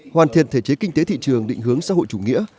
hoàn thiện thể chế kinh tế thị trường định hướng xã hội chủ nghĩa